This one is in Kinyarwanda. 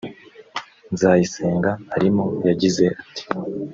Nzayisenga arimo yagize ati